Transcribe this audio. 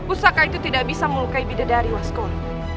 usaka itu tidak bisa melukai bidadari waskol